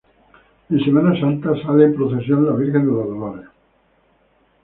En Semana Santa sale en procesión la Virgen de los Dolores.